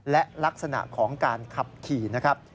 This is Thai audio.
และลักษณะของการขับขี่นะครับ